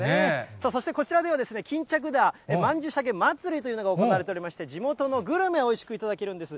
さあ、そしてこちらでは巾着田曼珠沙華まつりというのが行われておりまして、地元のグルメ、おいしく頂けるんです。